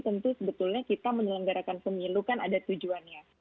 tentu sebetulnya kita menyelenggarakan pemilu kan ada tujuannya